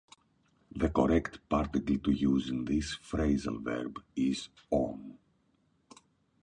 The correct particle to use in this phrasal verb is "on".